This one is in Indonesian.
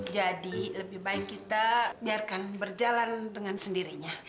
jadi lebih baik kita biarkan berjalan dengan sendirinya